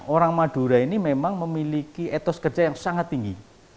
orang madura ini memang memiliki etos kerja yang sangat tinggi